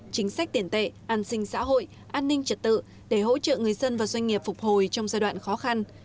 chính sách tiền tệ an sinh xã hội an ninh trật tự để hỗ trợ người dân và doanh nghiệp phục hồi trong giai đoạn khó khăn